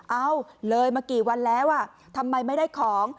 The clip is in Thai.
เอ้าเลยมากี่วันแล้วทำไมไม่ได้ของ